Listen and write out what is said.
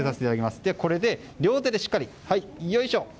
両手でしっかり、よいしょ！